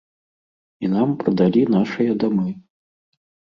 І нам прадалі нашыя дамы.